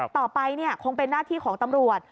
ต่อไปคงเป็นหน้าที่ของตำรวจ